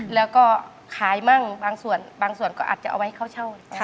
แล้วก็ขายบ้างบางส่วนก็อาจจะเอาไว้เข้าเช่า